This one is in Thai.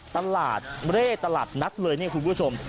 ตลาดเร่ตลาดนัดเลยเนี่ยคุณผู้ชม